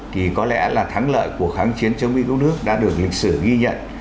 thì có lẽ là thắng lợi của kháng chiến chống mỹ cứu nước đã được lịch sử ghi nhận